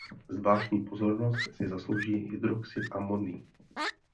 Zvláštní pozornost si zaslouží hydroxid amonný.